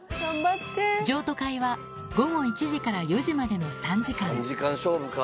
譲渡会は午後１時から４時までの３時間。